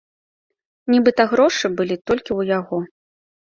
Нібыта грошы былі толькі ў яго.